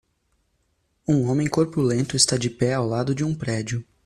Um homem corpulento está de pé ao lado de um prédio.